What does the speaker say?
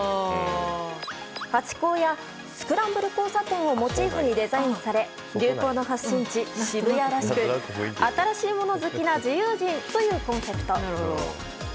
ハチ公やスクランブル交差点をモチーフにデザインされ流行の発信地・渋谷らしく新しい物好きな自由人というコンセプト。